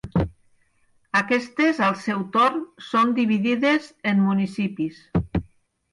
Aquestes, al seu torn, són dividides en municipis.